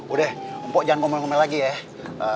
udah poh jangan ngomel ngomel lagi ya